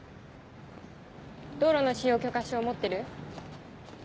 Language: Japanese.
道路の使用許可証持ってる？